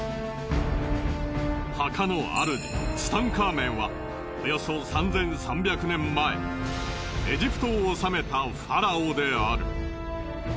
墓の主ツタンカーメンはおよそ３３００年前エジプトを治めたファラオである。